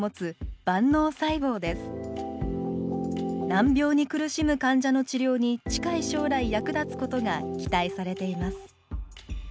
難病に苦しむ患者の治療に近い将来役立つことが期待されています